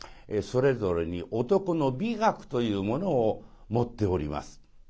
それぞれに男の美学というものを持っております。